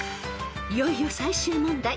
［いよいよ最終問題］